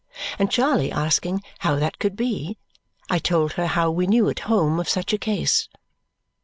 And Charley asking how that could be, I told her how we knew at home of such a case.